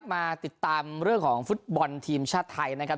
มาติดตามเรื่องของฟุตบอลทีมชาติไทยนะครับ